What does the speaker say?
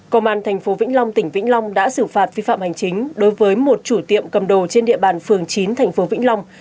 công an tp vĩnh long tỉnh vĩnh long đã xử phạt vi phạm hành chính đối với một chủ tiệm cầm đồ trên địa bàn phường chín thành phố vĩnh long